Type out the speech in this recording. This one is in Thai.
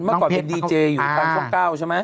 เมื่อก่อนเป็นดีเจอยู่ทางช่อง๙ใช่ไหม